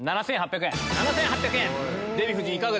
７８００円。